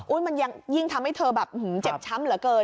อุ๊ยมันยิ่งทำให้เธอแบบเห็นเจ็บช้ำเหลือเกิน